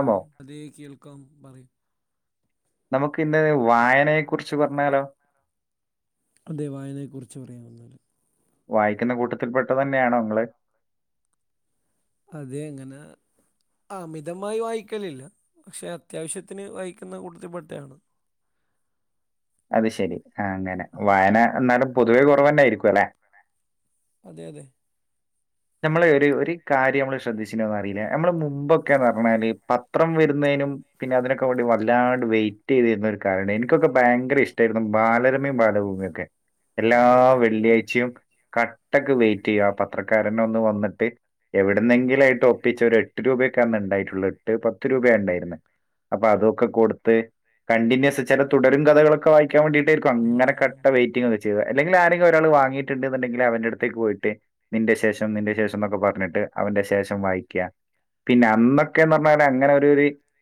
ഓ അതേ കേൾക്കാം പറയും നമുക്ക് ഇന്ന വായനയെ കുറിച്ച് പറഞ്ഞാലോ അതെ വായനയെക്കുറിച്ച് പറയാൻ വന്നാല് വായിക്കുന്ന കൂട്ടത്തിൽ പെട്ടത് തന്നെയാണോ നിങ്ങള് അതെ ഇങ്ങനെ ആ അമിതമായി വായിക്കലില്ല പക്ഷെ അത്യാവശ്യത്തിന് വായിക്കുന്ന കൂടുത്തി പെട്ടയാണ് അത് ശെരി ആ അങ്ങനെ വായന എന്നാലും പൊതുവേ കുറവന്നൊയിരിക്കും അല്ലെ അതെ അതെ നമ്മളെ ഒരു ഒരു കാര്യം നമ്മള് ശ്രദ്ധിച്ചന്ന് അറിയില്ല നമ്മള് മുമ്പൊക്കെന്ന് പറഞ്ഞാല് പത്രം വരുന്നതിനും പിന്നെ അതിനൊക്കെ വേണ്ടി വല്ലാട് വെയിറ്റ് ചെയ്ത് തരുന്ന ഒരു കാലം ഉണ്ടായിരുന്നു ഇനിക്കൊക്കെ ഭയങ്കര ഇഷ്ടമായി ബാലരമയും ബാലഭൂമിയ ഒക്കെ എല്ലാ അതെ അതെ വെള്ളിയാഴ്ചയും കട്ടക്ക് വെയിറ്റ് ചെയ്യുക ആ പത്രക്കാരന് ഒന്ന് വന്നിട്ട് ഉം. എവിടുന്നെങ്കില ആയിട്ട് ഒപ്പിച്ച് ഒരുര എട്ട് രൂപക്കന്ന് ഉണ്ടായിട്ടുള്ളൂ എട്ട് പത്ത് രൂപയ ഉണ്ടായിരന്ന് അപ്പൊ അതൊക്കെ കൊടുത്ത് കണ്ടിന്യൂസ് ചില തുടരും കഥകളൊക്കെ വായി നാൻേണ്ടീയിട്ടരിക്ക [unintelligible] ഉം, അങ്ങനെ ഉം, കട്ട ഉം. വെയിറ്റിങ്ങ് ചെയതത് അല്ലെങ്കിൽ ആരെങ്കിലും ഒരാൾ വാങ്ങിട്ടുണ്ടുണ്ടെങ്കിൽ അവന്റെ അടുത്തേക്ക് പോയിട്ട് നിന്റെ ശേഷം നിന്റെ ശേഷം എന്നൊക്കെ പറഞ്ഞിട്ട് അവന്റെ ശേഷം വായിക്കുക പിന്നെ അന്നൊക്കെന്ന് പറഞ്ഞാല് അങ്ങനെ ഒരു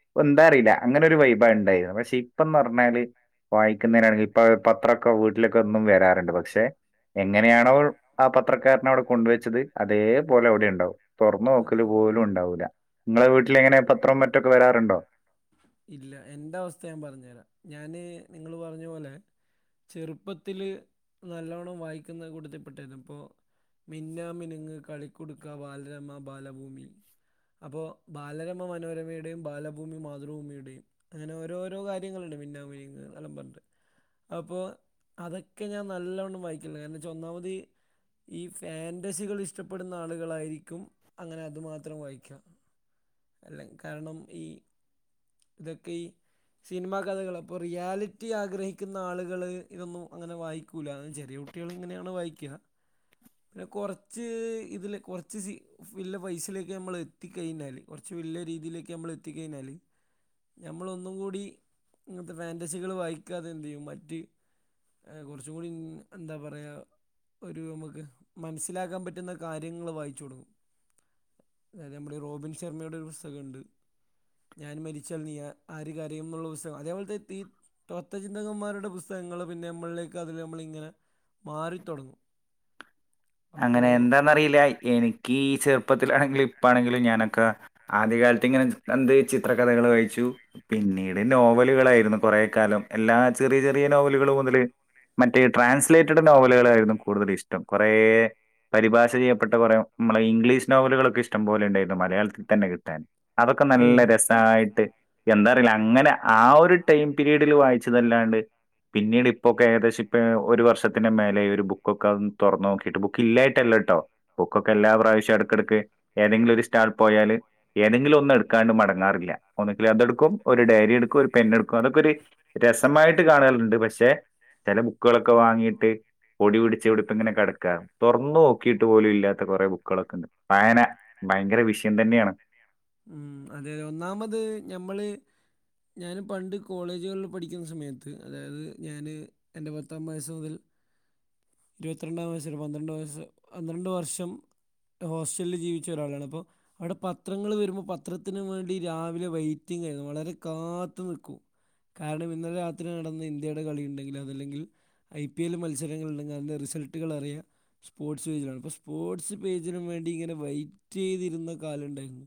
ഒരു എന്താ അറിയില്ല അങ്ങനെ ഒരു വൈഭ ഉണ്ടായിരുന്നു പക്ഷെ ഇപ്പം എന്ന് പറഞ്ഞാല് വായിക്കുന്നതിനാ ഇപ്പം പത്രൊക്കെ വീട്ടിലൊക്കെ എന്നും വരാറുണ്ട് പക്ഷെ എങ്ങനെയാണോ ആ പത്രക്കാരനോട് വെച്ചത് അതേപോലെ അവിടെ ഉണ്ടാവും തുറന്ന നോക്കൽ അതെ പോലും ഉണ്ടാവില്ല നിങ്ങളെ വീട്ടില ഉം, എങ്ങനെ പത്ര ഉം. മറ്റൊക്കെ വരാറുണ്ടോ ഇല്ല എന്റെ അവസ്ഥ ഞാൻ പറഞ്ഞുതരാം ഞാാന് നിങ്ങള് പറഞ്ഞ പോലെ ചെറുപ്പത്തില് നല്ലവണ്ണം വായിക്കുന്ന കൊൂടുത്തിൽപ്പെട്ടരുന്നു ഇപ്പോൾ മിന്നാ മിനുങ്ങ് കളിക്കൊടുക്ക ബാലരമ ബാലഭൂമി അപ്പോൾ ബാലരമ മനോരമയുടെയും ബാലഭൂമി മാതൃഭൂമിയുടെയും അങ്ങനെ ഓരോരോ കാര്യങ്ങളുണ്ട് മന്നാ മ നെല്ലാം പറന് അപ്പൊ അതൊക്കെ ഞാൻ നല്ലവണ്ണം വായിക്കില്ല കാരണം ഒന്നാമതി ഈ ഫാൻറസികൾ ഇഷ്ടപ്പെടുന്ന ആളുകളായിരിക്കും അങ്ങനെ അതുമാത്രം വായിക്കാം അല്ലെ കാരണം ഈ ഇതൊക്കെ ഈ സിനിമാ കഥകൾ അപ്പോൾ റിയാലിറ്റി ആഗ്രഹിക്കുന്ന ആളുകള് ഇതൊന്നും അങ്ങനെ വായിക്കില്ല ചെറിയ കുട്ടികൾ ഇങ്ങനെയാണ് വായിക്കുക പിന്നെ കുറച്ച് ഇതില് കുറച്ച് വല്ല പൈസയിലേക്ക് നമ്മൾ എത്തിക്കഴിഞ്ഞാല് കുറച്ച് വലിയ രീതിയിലേക്ക് നമ്മൾ എത്തിക്കഴിഞ്ഞാല് നഞമ്മള ഒന്നും കൂടി ഇങ്ങനത്തെ ഫാറസികൾ വായിക്കാതെ എന്ത്തു ചെയ്യും മറ്റ് കുറച്ചും കൂടി എന്താ പറയാ ഒരു നമുക്ക് മനസ്സിലാക്കാൻ പറ്റുന്ന കാര്യങ്ങള്ൾ വായിച്ചുൊടുങ്ങും അതായത് നമ്മുടെ റോബിൻ ശർമ്മയുടെ ഒരു പുസ്തകമുണ്ട് ഞാൻ മരിച്ചാൽ നീ ആര് കരയെന്നുള്ള പുസ്തകം അതേപോലത്തെ ഈ തൊത്വചിന്തകന്മാരുടെ പുസ്തകം പുതങ്ങൾ പിന്നെ നമ്മളിലേക്ക് അതിൽ നമ്മളിങ്ങനെ മാറിത്തടങ്ങും അങ്ങനെ എന്താന്നറിയില്ല എനിക്ക്ഈ ചെപ്പ ഇപ്പത്തിലാണെങ്കിലും ഇപ്പാണെങ്കിലും ഞാനൊക്കെ ആദ്യകാലത്ത് ഇങ്ങനെ എന്ത് ചിത്രകഥകൾ വായിച്ചു പിന്ന പിന്നീട് നോവലുകളായിരുന്നു കൊറെേ കാലം എല്ലാ ചെറിയ ചെറിയ നോവലുകൾ മുതല് മറ്റേ ട്രാൻസ്ലേറ്റഡ് നോവലുകളൾായിയിരുന്നു കൂടുതൽ ഇഷ്ടം കുറേ പരിഭാഷ ചെയ്യപ്പെട്ട കുറെേ നമ്മളെ ഇംഗ്ലീഷ് നോവലുകളൊക്കെ ഇഷ്ടം പോലെ ഉണ്ടായിരുന്നു മലയാളത്തിൽ തന്നെ കിട്ടാൻ അതൊക്കെ അതെ നല്ല രസമായിട്ട് എന്താ അങ്ങനെ ആ ഒരു ടൈം പിീരീഡിൽ വായിച്ചതല്ലാണ്ട് പിന്നീട് ഇപ്പോൊക്കെ ഏകദേശം ഇ ഒരു വർഷത്തിന്റെ മേെ ഒരു ബുക്കൊക്കെ തുറന്ന് നോക്കിട്ട് ബ ബക്ക് ഇല്ലായിട്ടല്ലോ കേട്ടോ ബുക്കൊക്കെ എല്ലാ പ്രാവശ്യം അടക്കിടക്ക് ഏതെങ്കിലും ഒരു ആൾ പോയാൽ ഏതെങ്കിലും ഒന്നും എടുക്കാണ്ട് മടങ്ങാറില്ല ഒന്നെങ്കിൽ അതെടുക്കും ഒരു ഡയറി എടുക്കും ഒരു പെൻെടുക്കും അതൊക്കെ ഒരു രസമായിട്ട് കാണറുണ്ട് പക്ഷെ ചില ബുക്കുകളൊക്കെ വാങ്ങിട്ട് പൊടി പിടിച്ച് ഇവിടുത്ത് ഇങ്ങനെ കിടക്കാം തുറന്നു നോക്കിയിട്ട് പോലും ഇല്ലാത്ത കുറെേ ബുക്കൾൊക്കെ ഉണ്ട് വായന ഭയങ്കര വിഷയം തന്നെയാണ്. ഉം അതെതെ ഒന്നാമത് ഞമ്മള് ഞാൻ പണ്ട് കോളേജുകളിൽ പഠിക്കുന്ന സമയത്ത് അതായത് ഞാന് എൻ്റെ പത്താം വയസ്സസ് മുതൽ ഇരുപത്തിരണ്ടാം വയസ്സ പന്ത്രണ്ട്യ പന്ത്രണ്ട വര്ഷം ഹോസ്റ്റലിൽ ജീവിച്ച ഒരാളാണ് അപ്പൊ അവിടെ പത്രങ്ങൾ വരുമ്പോൾ പത്രത്തിന വേണ്ടി രാവിലെ വെറ്റിംഗ ആയിരുന്നു വളരെ കാത്തു നിൽക്കും കാരണം ഇന്നലെ രാത്രി നടന്ന ഇന്ത്യയുടെ കളി ഉണ്ടെങ്കിൽ അതല്ലെങ്കിൽ ഐ പി എൽ മത്സരങ്ങളുണ്ടങ്കിൽ അതിന്റെ റിസൾട്ടുകൾ അറിയാം സ്പോർട്സ് പേജിലാണ് അപ്പൊ സ്പോർട്സ് പേജിനന് വേണ്ടി ഇങ്ങനെ വൈറ്റ് ചെയ്തിരുന്ന കാലംുണ്ടായിരുന്നു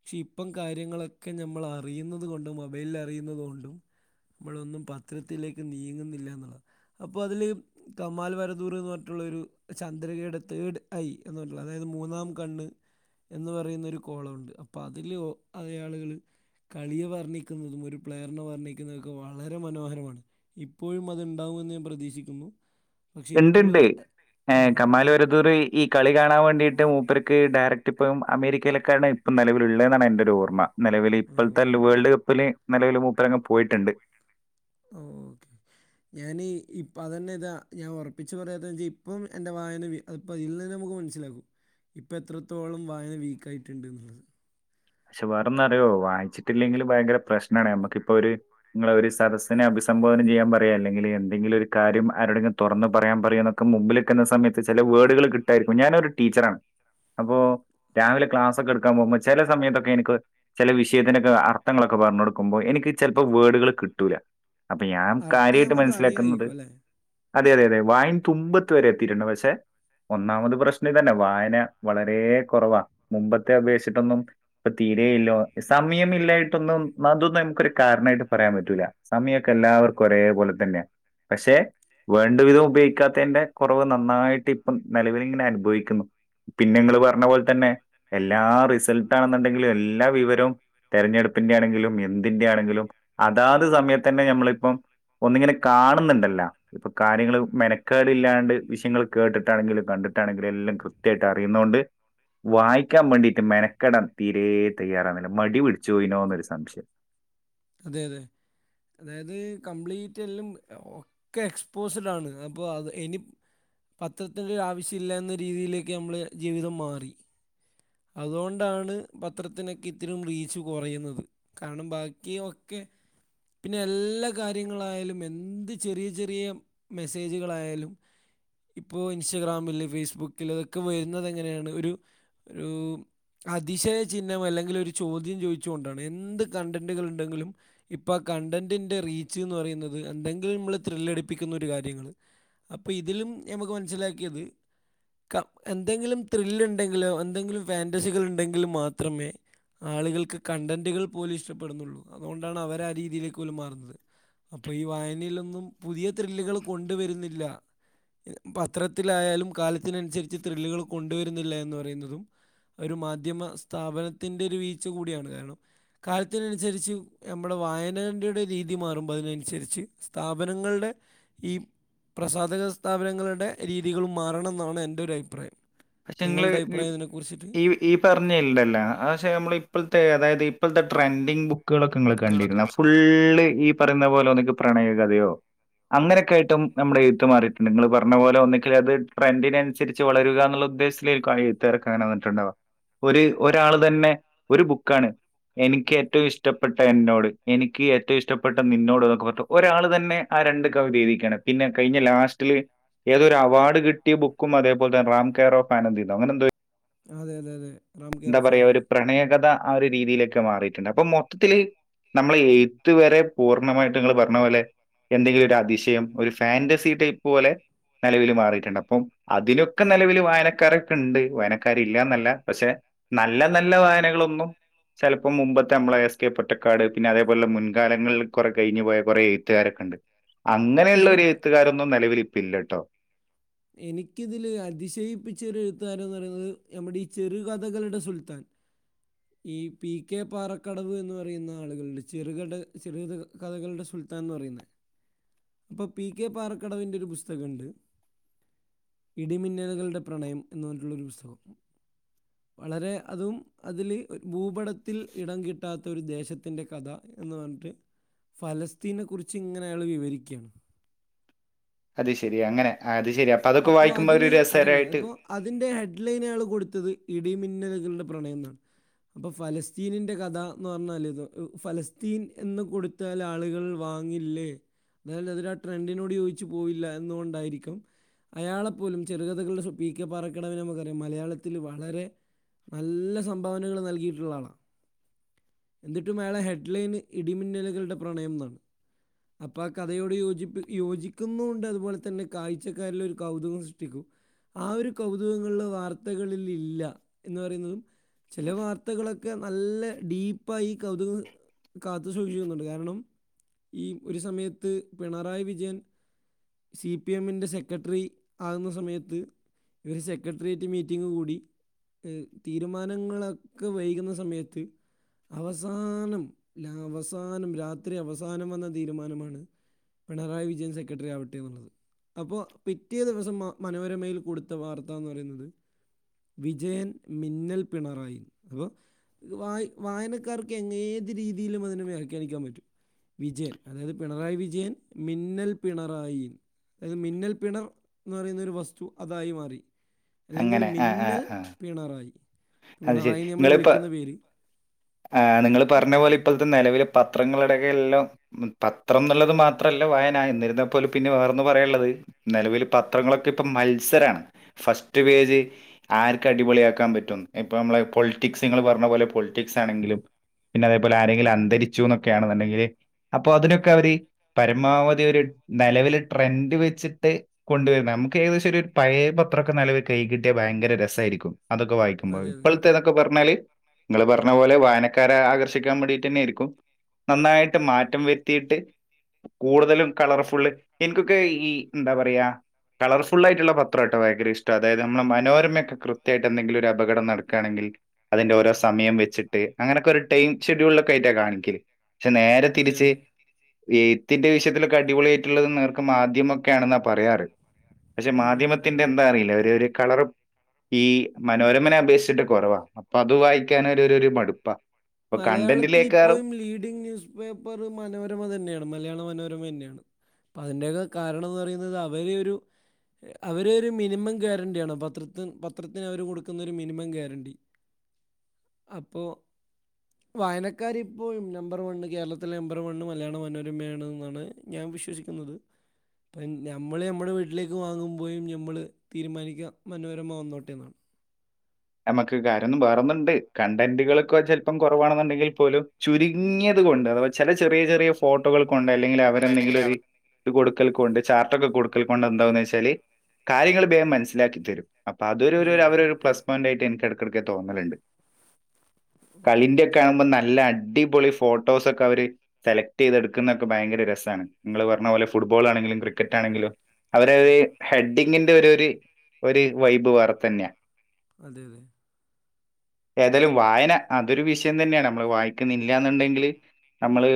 പക്ഷെ ഇപ്പം കാര്യങ്ങളൊക്കെ നമ്മൾ അറിയുന്നത് കൊണ്ടും മൊബൈലിൽ അറിയുന്നത് കൊണ്ടും നമ്മളൊന്നും പത്രത്തിലേക്ക് നീങ്ങുന്നില്ല എന്നുള്ളതാണ് അപ്പോൾ അതില് കമാൽവരദൂർ എന്ന് പറഞ്ഞ ഒരു ചന്ദ്രകയുടെ തേഡ് ഐ എന്ന് പറഞ്ഞുള്ളത് അതായത് മൂന്നാം കണ്ണ് [inaudible] എന്ന് പറയുന്നരു കോളമുണ്ട് അപ്പോൾ അതില് അയാളുകൾ കളിയെ വർണ്ണിക്കുന്നതും ഒരു പ്ലെയറിനെ വർണ്ണിക്കുന്നതൊക്കെ വളരെ മനോഹരമാണ് ഇപ്പോഴും അത്ണ്ടാവും ഞൻ പ്രതീക്ഷിക്കുന്നു പക്ഷേ ഇപ്പോൾ ഉണ്ട്ണ്ട് ഏ ആ, കമാല വരദൂർ ഈ കളി കാണാൻ വേണ്ടിയിട്ട് മൂപ്പേർക്ക് ഡയറക്റ്റ് ഇപ്പം അമേരിക്കയിലൊക്ക കാരണം ഇപ്പ നിലവിലുള്ളത് എന്നാണ് എൻ്റെ ഒരു ഓർമ്മ നിലവില് ഇപ്പോഴത്തെ വേൾഡ് കപ്പില് നിലവില് മൂപ്പരങ്ങ് പോയിട്ടുണ്ട് ഞാന് ഇപ്പ അതന്നെതാ ഞാൻ ഉറപ്പിച്ച് പറയാത്ത വെച്ചാൽ ഇപ്പം എന്റെ വായന ഇപ്പ ഇതിൽ നിന്നു നമുക്ക് മനസിൽ [unintelligible] ഇപ്പ എത്രത്തോളം വായന വീക്ക് ആയിട്ടുണ്ട് എന്നുള്ളത് പക്ഷെ വേറെൊന്ന അറിയോ വായിച്ചിട്ടില്ലെങ്കിൽ ഭയങ്കര പ്രശ്നണ് നമ്മുക്കിപ്പോ ഒരു നിങ്ങള് ഒരു സദസ്സിനെ അഭിസ് സംബോധന ചെയ്യാൻ പറയുക ണ്ടെകിലു എന്തെങ്കിലും ഒരു കാര്യം ആരോടെങ്കിലും തുറന്ന് പറയാൻ പറയുക എന്നക്കെ മുമ്പിലിക്കുന്ന സമയ ചില വേർഡുകൾ കിട്ടരിക്കും ഞാന് ഒരു ടീച്ചറാണ് അപ്പോ രാവിലെ ക്ലാസ്സൊക്കെ എടുക്കാൻ പോകുമ്പോൾ ചില സമയത്തൊ എനിക്ക് ചില വിഷയത്തിനൊക്കെ അർത്ഥങ്ങളൊക്കെ പറഞ്ഞു കൊടുക്കുമ്പോൾ എനിക്ക് ചിലപ്പോ വേഡുകൾ കിട്ടൂല അപ്പൊ ഞാൻ അർത്ഥം കാര്യമായിട്ട് നമുക്ക് മനസ്സിലാക്കുന്നത് അറിയാമായിരിക്കും അല്ലേ അതെ അതെ അതെ വായിൻ തുമ്പത്ത് വരെ എത്തിയിട്ടുണ്ട് പക്ഷെ ഒന്നാമത് പ്രശ്നം ഇതെന്ന വായന വളരെ കുറവാ മുമ്പത്തെ അപേക്ഷിച്ചിട്ടൊന്നും ഇപ്പൊ തീരെല്ലാ സമയം ഒന്നും ഇല്ലായിട്ടൊന്നും അതൊന്നും എനിക്കൊരു കാരണമായിട്ട് പറയാൻ പറ്റൂല സമയ ക്ക എല്ലാവർക്കും ഒരേപോലെ തന്നെയാ പക്ഷെ വേണ്ട വിധം ഉപയോഗിക്കാത്തതിന്റെ കുറവ് നന്നായിട്ട് ഇപ്പം നിലവിലിങ്ങനെ അനുഭവിക്കുന്നു പിന്നെ നിങ്ങള് പറഞ്ഞ പോലെ തന്നെ എല്ലാ റിസൾട്ടാണെന്നുണ്ടെങ്കിലും എ എല്ലാ വിവരവും തെരഞ്ഞെടുപ്പിന്റെ ആണെങ്കിലും എന്തിന്റെ ആണെങ്കിലും അതാത് സമയത്ത് തന്നെ നമ്മള് ഇപ്പം ഒന്നിങ്ങനെ കാണുന്നുണ്ടല്ല ഇപ്പൊ കാര്യങ്ങൾ മെനക്കേട് ഇല്ലാണ്ട് വിഷയങ്ങൾ കേട്ടിട്ടാണെങ്കിലും ക ട്ടാണെങ്കിൽ എല്ലാം കൃത്യായിട്ട് അറിയുന്നോണ്ട് വായിക്കാൻ വേണ്ടീട്ട് മെനകെ തീരേ തയ്യാറാവുന്നില്ല മടി പിടിച്ചോയിനോന്നൊരു സംശയം അതെ അതെ അതായത് കംപ്ലീറ്റ് എല്ലാം ഒക്കെ എക്സ്പോസ്ഡ് ആണ് അപ്പോൾ അത് എനി പത്രത്തിന്റെ ആവശ്യം ഇല്ല എന്ന രീതിയിലേക്ക് നമ്മളെ ജീവിതം മാറി അതുകൊണ്ടാണ് പത്രത്തിനൊക്കെ ത്തിനും റീച്ച് കുറയുന്നത് കാരണം ബാക്കി ഒക്കെ പിന്നെ എല്ലാ കാര്യങ്ങളായാലും എന്ത് ചെറിയ ചെറിയ മെസ്സേജുകളായാലും ഇപ്പോ ഇൻസ്റ്റാഗ്രാമില് ഫേസ്ബുക്കില് ഇക്കെ വെര്ന്നതെങ്ങനേണ് ഒരു ഒരു അതിശയ ചിഹ്നം അല്ലെങ്കിൽ ഒരു ചോദ്യം ചോയിച്ചുകൊണ്ടാണ് എന്ത് കണ്ടന്റുകൾ ഉണ്ടെങ്കിലും ഇപ്പൊ ആ കണ്ടന്റിന്റെ റീച്ച് ന്ന് പറയുന്നത് എന്തെങ്കിലും നമ്മള് ത്രില്ലടിപ്പിക്കുന്ന ഒരു കാര്യങ്ങള് അപ്പൊ ഇതിലും ഞമക്ക് മനസ്സിലാക്കിയത് കം എന്തെങ്കിലും ത്രില്ല് ണ്ടങ്കിലോ എന്തെങ്കിലും ഫാന്റസികള്ണ്ടെങ്കിൽ മാത്രമേ ആളുകൾക്ക് കണ്ടന്റുകൾ പോലും ഇഷ്ടപ്പെടുന്നുള്ളൂ അതുകൊണ്ടാണ് അവരാആ രീതിയിലേക്ക് പോലും മാറുന്നത് അപ്പൊ ഈ വായനയിലൊന്നും പുതിയ ത്രില്ലുകൾ കൊണ്ട് വരുന്നില്ല പത്രത്തിലായാലും കാലത്തിനനുസരിച്ച് ത്രില്ലുകൾ കൊണ്ടുവരുന്നില്ല എന്ന് പറയുന്നതും ഒരു മാധ്യമ സ്ഥാപനത്തിൻ ന്റെ ഒര് വീഴ്ച കൂടിയാണ് കാരണം കാലത്തിനനുസരിച്ച് നമ്മുടെ വായനന്റെ ടെ രീതി മാറും അതി അനുസരിച്ച് സ്ഥാപനങ്ങളുടെ ഈ പ്രസാധക സ്ഥാപനങ്ങളുടെ രീതികളും മാറണമെന്നാണ് എന്റെ ഒരു അഭിപ്രായം പക്ഷെ ഇങ്ങള് നിങ്ങളുടെ അഭിപ്രായം ഇതിനെക്കുറിച്ചിട്ട് ഈ ഈ പർഞ്ഞേണ്ടല്ല അത് പഷെ നമ്മളീ ഇപ്പോഴത്തെ അതായത് ഇപ്പോഴത്തെ ട്രെൻഡിങ് ബുക്കുകളൊക്കെ ഇങ്ങള് കണ്ടിരുന്നേ ഫുള്ള് ഈ പറയുന്ന പോലെ ഒന്നങ്കി പ്രണയ കഥയോ അങ്ങനെയൊക്കെ ആയിട്ടും നമ്മുടെ എഴുത്ത് മാറിയിട്ടുണ്ട് ഇങ്ങള് പറഞ്ഞ പോലെ ഒന്നെങ്കി അത് ട്രെൻഡിനനുസരിച്ച് വളരുക ന്നുള്ള [unintelligible] തിരക്ക് അങ്ങനെ വന്നിട്ടുണ്ടവാ ഒരു ഒരാൾ തന്നെ ഒരു ബുക്കാണ് എനിക്ക് ഏറ്റവും ഇഷ്ടപ്പെട്ട എന്നോട് എനിക്ക് ഏറ്റവും ഇഷ്ടപ്പെട്ട നിന്നോട് എന്നൊക്കെ പറഞ്ഞിട്ട് ഒരാൾ തന്നെ രണ്ട് കവിത എഴുതിക്കാണ് പിന്നെ കഴിഞ്ഞ ലാസ്റ്റില് ഏതൊരു അവാർഡ് കിട്ടിയ ബുക്കും അതേപോലെതന്നെ റാം കെയർഓഫ് ആനന്ദി അങ്ങനെന്തോരു അതെ അതെ അതെ റാം എന്താ കെയർ ഓഫ് പറയാ ഒരു ആനന്ദി പ്രണയകഥ ആ ഒരു രീതിയിലൊക്കെ മാറിയിട്ടുണ്ട് അപ്പൊ മൊത്തത്തില് നമ്മളെ എഴുത്ത് വരെ പൂർണ്ണമായിട്ട് നിങ്ങള് പറഞ്ഞ പോലെ എന്തെങ്കിലും ഒരു അതിശയം ഒരു ഫാന്റസി ടൈപ്പ് പോലെ നിലവില് മാറിട്ടുണ്ട് അപ്പം അതിനൊക്കെ നിലവില് വായനക്കാരൊക്കെണ്ട് വായനക്കാര് ഇല്ലന്നല്ല പക്ഷെ നല്ല നല്ല വായനകളൊന്നും ചെൽപ്പം മുമ്പത്തെ മ്മളെ എസ് കെ പൊറ്റക്കാട് പിന്നെ അതേപോലെ മുൻകാലങ്ങളിൽ കുറെ കഴിഞ്ഞു പോയ കുറെ എഴുത്തുകാര ണ്ട് അങ്ങനെയുള്ളരു എനിക്ക് എഴുത്തുകാരൊന്നും നിലവിലിപ്പല്ലട്ടോ എനിക്കിതില് അതിശയിപ്പിച്ച ഒരു എഴുത്തുകാരൻ എന്ന് പറയുന്നത് നമ്മുടെ ഈ ചെറുകഥകളുടെ സുൽത്താൻ [inaudible] ഈ പി കെ പാറക്കടവ് എന്ന് പറയുന്ന ആളുകളുടെ ചെറ ചെറു കഥകളുടെ സുൽ സുൽത്താൻന്ന് പറയുന്ന അപ്പൊ പി കെ പാറക്കടവിന്റെ ഒരു പുസ്തകണ്ട് ഇടിമിന്നലുകളുടെ പ്രണയം എന്ന് പറഞ്ഞിട്ടുള്ളൊരു പുസ്തകം വളരെ അതും അതില് ഭൂപടത്തിൽ ഇടം കിട്ടാത്ത ഒരു ദേശത്തിൻ്റെ കഥ എന്ന് പറഞ്ഞിട്ട് ഫലസ്തീനെ കുറിച്ച് ഇങ്ങനെ അയാൾ വിവരിക്കയാണ് അത് ശരി അങ്ങനെ ശരി അതൊക്കെ അപ്പൊ വായിക്കുമ്പോ ഒരു അതില് അതന്നെ രസകരമായിട്ട് അപ്പൊ അതിന്റെ ഹെഡ്ലൈന്കള് കൊടുത്തത് ഇടിമിന്നല്കളുടെ പ്രണയം എന്നാണ് അപ്പൊ ഫലസ്തീനിന്റെ കഥ എന്ന് പറഞ്ഞാൽ ഇത് ഫലസ്തീൻ എന്ന് കൊടുത്താൽ ആളുകൾ വാങ്ങില്ലേ അതായത് അതിനാ ആ ട്രെൻഡിനോട് യോജിച്ചു പോവില്ല അതെന്നു കൊണ്ടായിരിക്കും അയാളെപ്പോലും ചെറുകഥകളുടെ പീ. കെ പാറക്കടവിനു പകരം മലയാളത്തില് വളരെ നല്ല സംഭാവനകള് നല്കിയിട്ടുള്ള ആളാ എന്നിട്ടും അയാളെ ഹെഡ്ലൈന് ഇടിമിന്നലുകളുടെ പ്രണയം എന്നാണ് അപ്പം ആ കഥയോട് യോജിപ്പ യോജിക്കുന്നുണ്ട് അതുപോലെ തന്നെ കാഴ്ചക്കാരില് ഒരു കൗതുകം സൃഷ്ടിക്കും ആ ഒരു കൗതുകങ്ങളിൽ വാർത്തകളിൽ ഇല്ല എന്ന് പറയുന്നതും ചില വാർത്തകളൊക്കെ നല്ല ഡീപ്പായി കൗതുക കാത്തു സൂക്ഷിക്കുന്നുണ്ട് കാരണം ഈ ഒരു സമയത്ത് പിണറായി വിജയൻ സി പി എമ്മിന്റെ സെക്രട്ടറി ആകുന്ന സമയത്ത് ഇവർ സെക്രട്ടേറിയറ്റ് മീറ്റിംഗ് കൂടി ഏഹ് തീരുമാനങ്ങളൊക്കെ വൈകുന്ന സമയത്ത് അവസാനം ല അവസാനം രാത്രി അവസാനം വന്ന തീരുമാനമാണ് പിണറായി വിജയൻ സെക്രട്ടറി ആവട്ടെ എന്നുള്ളത് അപ്പോ പി പിറ്റേ ദിവസം മ മനോരമയിൽ കൊടുത്ത വാർത്ത എന്ന് പറയുന്നത് വിജയൻ മിന്നൽ പിണറായി അപ്പൊ വ വായനക്കാർക്ക് എങ്ങ ഏത് രീതിയിലും അതിനെ വ്യാഖ്യാനിക്കാൻ പറ്റും വിജയൻ അതായത് പിണറായി വിജയൻ മിന്നൽ പിണറായി അതായത് മിന്നൽ പിണർ എന്ന് പറയുന്നൊരു വസ്തു അതായി മാറി അല്ലെങ്കിൽ അങ്ങനെ ആ ആ മിന്നൽ ആ പിണറായി അത് ശരി പിണറായി നമ്മൾ നിങ്ങളിപ്പ വിളിക്കുന്ന പേര് ആ നിങ്ങൾ അതെ പറഞ്ഞ പോലെ ഇപ്പോഴത്തെ നിലവിലെ പത്രങ്ങളടൊക്കെല്ലാം പത്രം എന്നുള്ളത് മാത്രമല്ല വായന എന്നിരുന്നാ പോലും പിന്നെ വേറെന്ന് പറയുള്ളത് നിലവിൽ പത്രങ്ങളൊക്കെ ഇപ്പൊ മത്സരാണ് ഫസ്റ്റ് പേജ് ആർക്ക് അടിപൊളിയ ആക്കാൻ പറ്റും ഇപ്പൊ നമ്മളെ പൊളിറ്റിക്സ് ഇങ്ങള് പറഞ്ഞ പോലെ പൊളിറ്റിക്സ് ആണെങ്കിലും പിന്നെ അതേപോലെ ആരെങ്കിലും അന്തരിച്ചു എന്നൊക്കെയാണെന്നുണ്ടെങ്കില് അപ്പൊ അതിനൊക്കെ അവര് പരമാവധി ഒരു നിലവിൽ ട്രെൻഡ് വെച്ചിട്ട് കൊണ്ടുവരുന്നത് നമുക്ക് ഏകദേശം ഒരു പയേ പത്രൊക്കെ നിലവിൽ കൈ കിട്ടിയ ഭയങ്കര രസമായിരിക്കും അതൊക്കെ വായിക്കുമ്പോൾ അതെ ഇപ്പോഴത്തെതൊക്കെ പറഞ്ഞാല് നിങ്ങള് പറഞ്ഞ പോലെ വായനക്കാരെ ആകർഷിക്കാൻ വേണ്ടിട്ട് തന്നെയായിരിക്കും നന്നായിട്ട് മാറ്റം വരുത്തിയിട്ട് കൂടുതലും കളർഫുള് എനിക്കൊക്കെ ഈ എന്താ പറയാ കളർഫുൾ ആയിട്ടുള്ള പത്രം കേട്ടോ ഭയങ്കര ഇഷ്ടം അതായത് നമ്മള മനോരമയക്കെ കൃത്യയിട്ട് എന്തെങ്കിലും അഭി അപകടം നടക്കുകയാണെങ്കിൽ അതിന്റെ ഓരോ സമയം വെച്ചിട്ട് അങ്ങനൊക്കെ ഒരു ടൈം ഷെഡ്യൂൾ ഒക്കെ ആയിട്ടാ കാണിക്കല് പക്ഷെ നേരെ അതെ തിരിച്ച് അതെ എയ്ത്തിന്റെ വിഷയത്തിലൊക്കെ അടിപൊളിയായിട്ടുള്ളത് എന്ന് പറ മാധ്യമക്കെണെന്നാ പറയാറ് പക്ഷെ ഉം ഉം മാധ്യമത്തിന്റെ എന്താ അറിയില്ല അവരെ ഒരു ഉം. കളറും ഈ മനോര [unintelligible] അപേക്ഷിച്ചിട്ട് കുറവാ അപ്പൊ അത് വായിക്കാൻ ഒരു ഒരു മടുപ്പാ ഇപ്പൊ മലയാളത്തിൽ കണ്ടന്റിലേക്കാറും ഇപ്പോഴും ലീഡിങ് ന്യൂസ് പേപ്പർ മനോരമ തന്നെയാണ് മലയാള മനോരമ തന്നെയാണ് അപ്പൊ അതിന്റെയൊക്കെ കാരണംന്ന് പറയുന്നത് അവരെ ഒരു അവര ഒരു മിനിമം ഗ്യാരണ്ടിയാണോ പത്രത്തിന് പത്രത്തിന് അവര് കൊടുക്കുന്നൊ ഒരു മിനിമം ഗ്യാരണ്ടി [unintelligible] അപ്പോ വായനക്കാരി ഇപ്പോ നമ്പർ വണ് കേരളത്തിലെ നമ്പർ വണ് മലയാള മനോരമയാണ്ാണ് ഞാൻ വിശ്വസിക്കുന്നത് ഇപ്പം നഞമ്മൾ നമ്മുടെ വീട്ടിലേക്ക് വാങ്ങുമ്പോഴും ഞമ്മൾ തീരുമാനിക്കാ മനോരമ വന്നോട്ടെ എന്നാണ് നമ്മുക്ക് കാര്യമൊന്നും വേറന്നണ്ട് കണ്ടന്റുകൾൊക്കെ ചെപ്പം കുറവാണെന്നുണ്ടെങ്കിൽ പോലും ചുരുങ്ങിയ കൊണ്ട് അഥവാ ചില ചെറിയ ചെറിയ ഫോട്ടോകൾ കൊണ്ട് അല്ലെങ്കിൽ അവരെന്തെങ്കിലും ഒരു കൊടുക്കൽ കൊണ്ട് ചാർട്ടൊക്കെ കൊടുക്കൽ കൊണ്ട് എന്താന്ന് വെച്ചാല് കാര്യങ്ങൾ ഭേഗം മനസ്സിലാക്കിത്തരും അപ്പൊ അതൊരു അതെ അതെ അവര ഒരു പ്ലസ് പോയിന്റ് ആയിട്ട് എനിിക്കിടക്കിടക്ക് തോന്നലുണ്ട് ഓക്കെ കളിന്റെറെ ഒക്കെ ഓക്കെ കാണുമ്പോൾ നല്ല അടിപൊളി ഫോട്ടോസ ഒക്കെ അവര് സെലക്ട് ചെയ്തെടുക്കുന്നതൊക്കെ ഭയങ്കര രസ നിങ്ങള് പറഞ്ഞ പോലെ ഫുട്ബോൾ ആെ ക്രിക്കറ്റ് ആണെങ്കിലോ അവര ഹെഡ്ഡിങ്ങിന്റെ ഒരു ഒരു വൈബ് വേറെത്ത തന്നെയാ അതെ അതെ [unintelligible] ഏതായാലും വായന അതൊരു വിഷയം തന്നെയാണ് നമ്മള് വായിക്കുന്നില്ല എന്നുണ്ടെങ്കില് നമ്മള്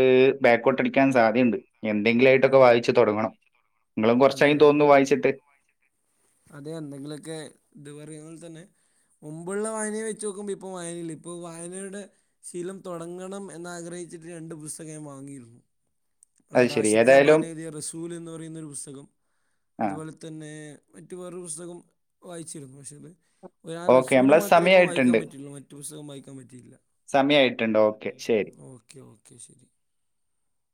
കൊട്ടടാൻ സാധ്യയുണ്ട് എന്തെങ്കിലായിട്ടൊക്കെ വായിച്ചച്ച് തുടങ്ങണം നിങ്ങളും തൊടങ്ങണം അതെ കൊറച്ചായും അതെ തോന്നും വായിച്ചിട്ട് അതെ എന്തെങ്കിലുമൊക്കെ ഇത് പറയുന്നൽ തന്നെ മുമ്പുള്ള വായനയെ വെച്ച് നോക്കുമ്പോൾ ഇപ്പൾ വായനല്ല ഇപ്പോ വായനയുടെ ശീലം തുടങ്ങണം എന്നാഗ്രഹിക്ക ച്ചിട്ട് രണ്ട് പുസ്തകം വാങ്ങിയിരുന്നു അത് ശരി. റാഷിദ് ഏതായാലും സബാന എഴുതിയ റസൂൽ എന്ന് പറയുന്നൊരു പുസ്തകം ആ അതുപോലെ തന്നെ മറ്റു വേറൊരു പുസ്തകം വായിച്ചിരുന്നു പക്ഷേ അത് ഒരാ ഓക്കെ. റസൂല് നമ്മളെ മാത്രമേ ഇപ്പം വായിക്കാൻ സമയമായിട്ടുണ്ട്. പറ്റുള്ളൂ മറ്റു പുസ്തകം വായിക്കാൻ പറ്റിയില്ല സമയയിട്ടുണ്ടോ ഓക്കെ ശരി ഓക്കെ ഓക്കെ ഓക്കെ ശരി